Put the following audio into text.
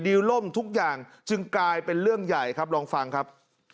ล่มทุกอย่างจึงกลายเป็นเรื่องใหญ่ครับลองฟังครับ